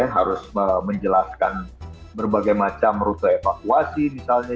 harus menjelaskan berbagai macam rute evakuasi misalnya